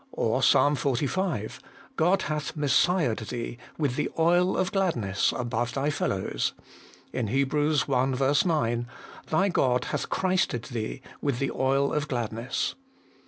Or Ps. xlv. :' God hath messiahed thee with the oil of gladness above thy fellows ;' in Heb. i. 9, ' Thy God hath christed thee with the oil of gladness.'